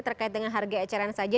terkait dengan harga eceran saja